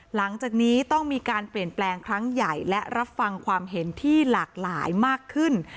หลังจากนี้ต้องมีการเปลี่ยนแปลงครั้งใหญ่และรับฟังความเห็นที่หลากหลายมากขึ้น